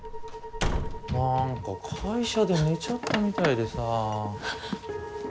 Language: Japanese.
なんか会社で寝ちゃったみたいでさ。